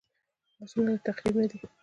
لاسونه د تخریب نه دي